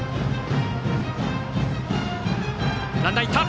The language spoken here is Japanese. ランナー、行った！